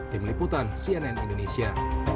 tim liputan cnn indonesia